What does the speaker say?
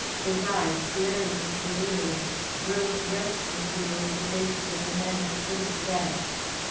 His eyes, glaring with delirium, roved restlessly over the faces of the men at the foot of the bed.